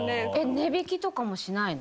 値引きとかもしないの？